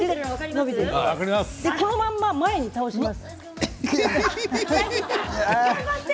このまま前に倒します。